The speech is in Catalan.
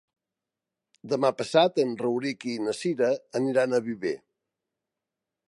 Demà passat en Rauric i na Cira aniran a Viver.